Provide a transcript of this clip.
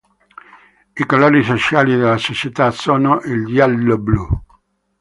I colori sociali della società sono il giallo-blu.